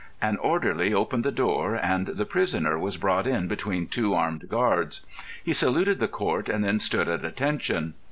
An orderly opened the door, and the prisoner was brought in between two armed guards. He saluted the Court, and then stood at attention.